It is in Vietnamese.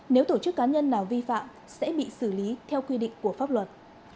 nếu tổ chức cá nhân nào vi phạm sẽ bị xử lý theo quy định của pháp luật